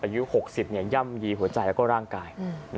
อายุ๖๐ย่ำยีหัวใจแล้วก็ร่างกาย